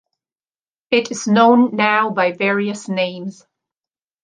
It is known now by various names.